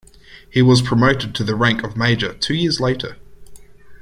He was promoted to the rank of major two years later.